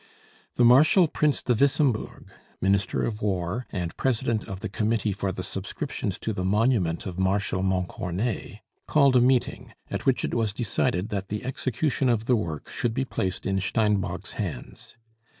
The Marshal Prince de Wissembourg, Minister of War, and President of the Committee for the subscriptions to the monument of Marshal Montcornet, called a meeting, at which it was decided that the execution of the work should be placed in Steinbock's hands.